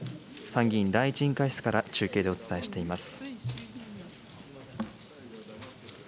参議院第１委員会室から中継でお伝えしています。